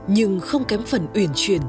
nhưng không kém phần uyển chuyển